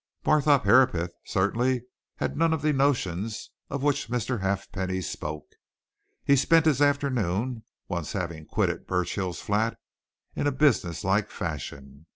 Barthorpe Herapath certainly had none of the notions of which Mr. Halfpenny spoke. He spent his afternoon, once having quitted Burchill's flat, in a businesslike fashion.